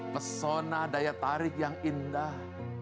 pesona daya tarik yang indah